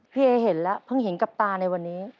พี่เอเห็นแล้วเพิ่งเห็นกับตาในวันนี้